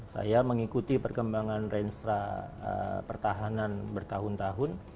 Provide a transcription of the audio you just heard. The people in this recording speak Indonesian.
saya mengikuti perkembangan renstra pertahanan bertahun tahun